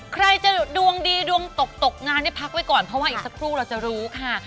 ใครจะดวงดีดวงตกตกงานได้พักไว้ก่อนเพราะว่าอีกสักครู่เราจะรู้ค่ะ